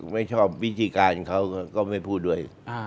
ไม่ชอบวิธีการเขาก็ไม่พูดด้วย